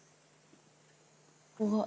うわっ。